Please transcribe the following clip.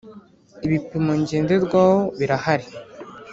Ibipimo ngenderwaho birahari.